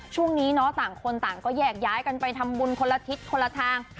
ช่วงนี้เนาะต่างคนต่างก็แยกย้ายกันไปทำบุญคนละทิศคนละทาง